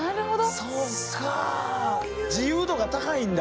そうか自由度が高いんだ！